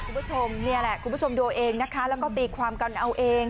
คุณผู้ชมนี่แหละคุณผู้ชมดูเองนะคะแล้วก็ตีความกันเอาเอง